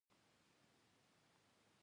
هغوی په موزون باران کې پر بل باندې ژمن شول.